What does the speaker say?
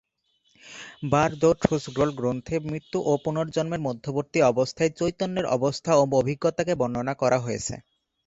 বার-দো-থোস-গ্রোল গ্রন্থে মৃত্যু ও পুনর্জন্মের মধ্যবর্তী অবস্থায় চৈতন্যের অবস্থা ও অভিজ্ঞতাকে বর্ণনা করা হয়েছে।